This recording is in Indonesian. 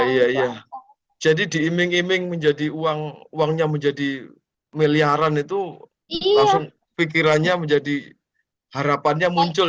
iya jadi diiming iming menjadi uang uangnya menjadi miliaran itu pikirannya menjadi harapannya muncul